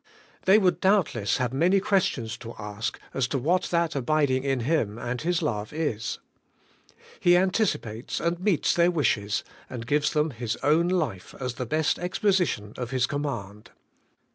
They would doubtless have many questions to ask as to what that abiding in Him and His love is. He anticipates and meets their wishes, and gives them His owk life as the best exposition of His command.